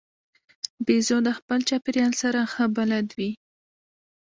بیزو د خپل چاپېریال سره ښه بلد وي.